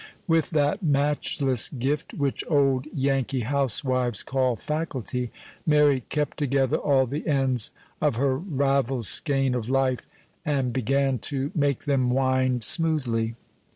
With that matchless gift which old Yankee housewives call faculty, Mary kept together all the ends of her ravelled skein of life, and began to make them wind smoothly.